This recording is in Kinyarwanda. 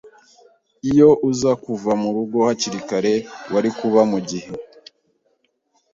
Iyo uza kuva murugo hakiri kare wari kuba mugihe.